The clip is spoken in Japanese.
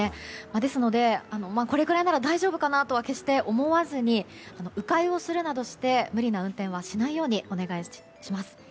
ですので、これぐらいなら大丈夫かなとは決して思わずに迂回するなどして無理な運転はしないようにお願いします。